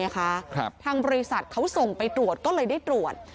ทางบริษัทเขาส่งไปตรวจก็เลยได้ตรวจ